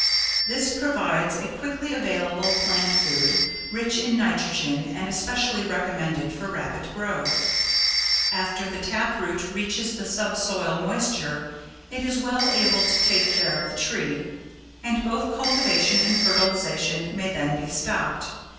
This provides a quickly available plant food, rich in nitrogen and especially recommended for rapid growth. After the tap root reaches the sub soil moisture it is well able to take care of the tree; and both cultivation and fertilization may then be stopped.